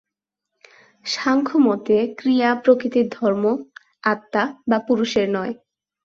সাংখ্য-মতে ক্রিয়া প্রকৃতির ধর্ম, আত্মা বা পুরুষের নয়।